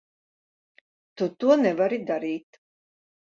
Tu to nevari darīt.